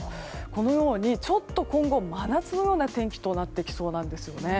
このようにちょっと今後真夏のような天気となってきそうなんです。